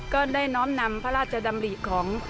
ก็ได้น้อมนำพระราชดำริของ